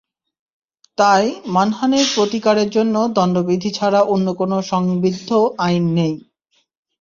তাই মানহানির প্রতিকারের জন্য দণ্ডবিধি ছাড়া অন্য কোনো সংবিধিবদ্ধ আইন নেই।